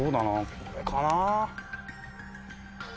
これかなぁ。